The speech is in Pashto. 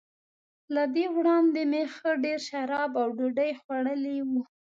له دې وړاندي مې ښه ډېر شراب او ډوډۍ خوړلي وو.